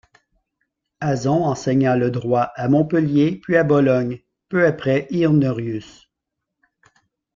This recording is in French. Azon enseigna le droit à Montpellier, puis à Bologne, peu après Irnerius.